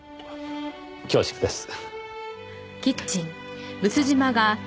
恐縮です。